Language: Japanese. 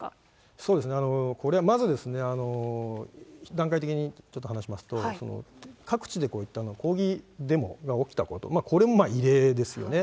そうですね、これはまず、段階的にちょっと話しますと、各地でこういった抗議デモが起きたこと、これも異例ですよね。